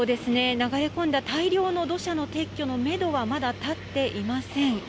流れ込んだ大量の土砂の撤去のメドはまだ立っていません。